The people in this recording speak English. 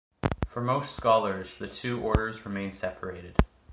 For most scholars, the two orders remain separated.